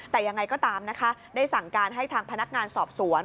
แต่ยังไงก็ตามนะคะได้สั่งการให้ทางพนักงานสอบสวน